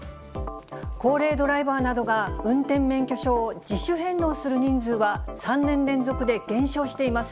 高齢ドライバーなどが運転免許証を自主返納する人数は、３年連続で減少しています。